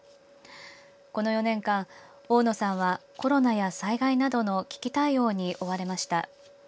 この４年間大野さんはコロナや災害などの危機対応に追われました。